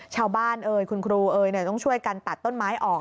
เอ่ยคุณครูเอ๋ยต้องช่วยกันตัดต้นไม้ออก